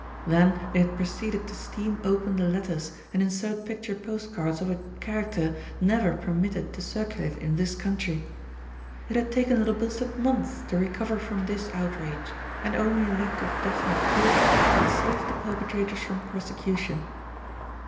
Then they had proceeded to steam SMITH ACQUIRES REACH ME DOWNS 143 open the letters and insert picture post cards of a char acter never permitted to circulate in this country. It had taken Little Bilstead months to recover from this outrage, and only lack of definite proof had saved the perpetrators from prosecution.